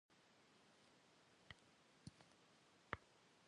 Jjeuaplınığe yin zıpış'a 'enat'e zemılh'eujığuexer zerihaş.